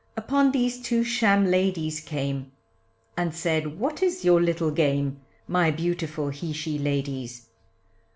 Upon these two sham ladies came, And said what is your little game, My beautiful he she ladies.